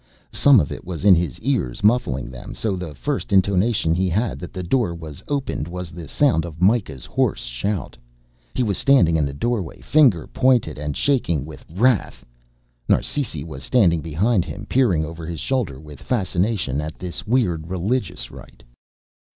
Some of it was in his ears, muffling them, so the first intimation he had that the door was opened was the sound of Mikah's hoarse shout. He was standing in the doorway, finger pointed and shaking with wrath. Narsisi was standing behind him, peering over his shoulder with fascination at this weird religious rite.